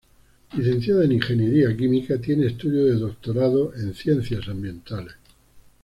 Licenciada en ingeniería química, tiene estudios de doctorado en Ciencias ambientales.